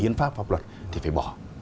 hiến pháp pháp luật thì phải bỏ